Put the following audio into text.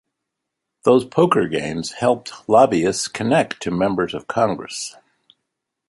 Those poker games helped lobbyists connect to members of Congress.